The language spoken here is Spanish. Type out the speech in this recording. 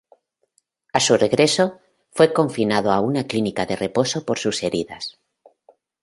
A su regreso, fue confinado a una clínica de reposo por sus heridas.